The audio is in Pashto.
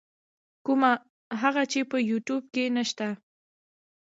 کوومه هغه په یو يټیوب کی نسته.